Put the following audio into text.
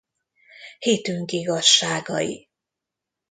Hitünk igazságai.